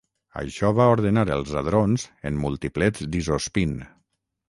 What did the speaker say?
Això va ordenar els hadrons en multiplets d'isospín.